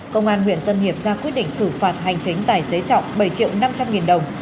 công an huyện tân hiệp ra quyết định xử phạt hành chính tài xế trọng bảy triệu năm trăm linh nghìn đồng